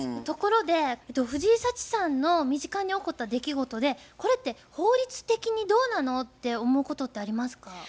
ところで藤井サチさんの身近に起こった出来事で「これって法律的にどうなの？」って思うことってありますか？